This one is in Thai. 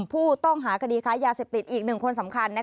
ผู้ต้องหาคดีค้ายาเสพติดอีก๑คนสำคัญ